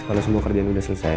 kalau semua kerjaan sudah selesai